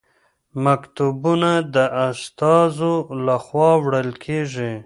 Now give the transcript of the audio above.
مکتوبونه د استازو لخوا وړل کیږي.